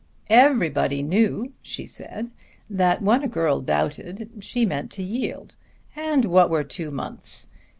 Everybody knew, she said, that when a girl doubted she meant to yield. And what were two months?